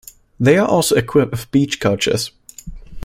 They are also equipped with beach couches.